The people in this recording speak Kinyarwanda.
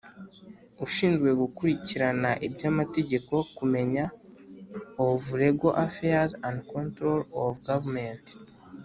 ushinzwe gukurikirana iby amategeko kumenya of Legal Affairs and Control of Government